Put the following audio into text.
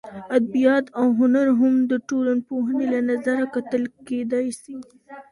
ادبیات او هنر هم د ټولنپوهنې له نظره کتل کېدای سي.